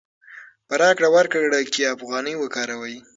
په راکړه ورکړه کې افغانۍ وکاروئ.